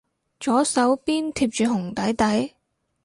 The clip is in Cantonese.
左手邊貼住紅底底